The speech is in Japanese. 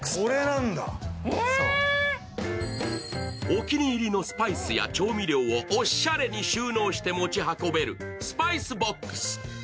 お気に入りのスパイスや調味料をおしゃれに収納して持ち運べるスパイスボックス。